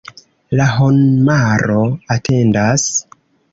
La homaro atendas.